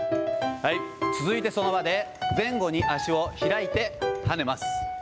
続いてその場で前後に足を開いてはねます。